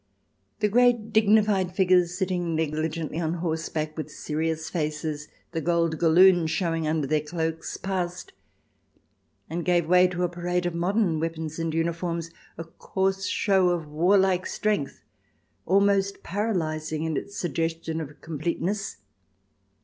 The great dignified figures sitting negligently on 292 THE DESIRABLE ALIEN [ch. xx horseback with serious faces, the gold galloons showing under their cloaks, passed, and gave way to a parade of modern weapons and uniforms — a coarse show of warlike strength, almost paralyzing in its suggestion of completeness.